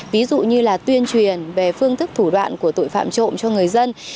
ví dụ như là tuyên truyền về phương thức thủ đoạn của tội phạm trộm cho người dân